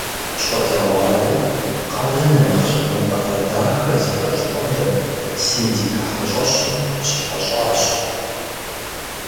Щӏалэгъуалэр къалэм я нэхъ щхъуантӏагъэ дахэ зиӏэ щӏыпӏэм дэт «Синдикэ» хьэщӏэщым щыхьэщӏащ.